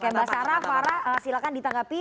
mbak sarah farah silahkan ditanggapi